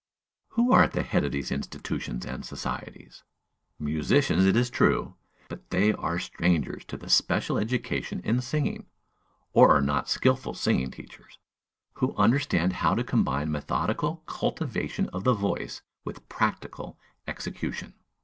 Who are at the head of these institutions and societies? Musicians it is true; but they are strangers to any special education in singing, or are not skilful singing teachers, who understand how to combine methodical cultivation of the voice with practical execution.